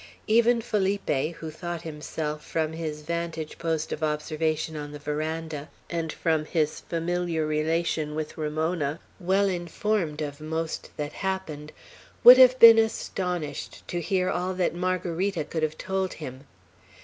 Even Felipe, who thought himself, from his vantage post of observation on the veranda, and from his familiar relation with Ramona, well informed of most that happened, would have been astonished to hear all that Margarita could have told him.